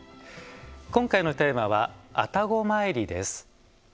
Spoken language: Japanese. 今回のテーマは「愛宕詣り」です。